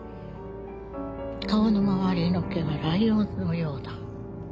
顔の周りの毛がライオンのようだ。